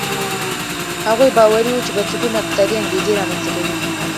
هغوی باوري وو چې بنسټونه اقتصادي انګېزې رامنځته کوي.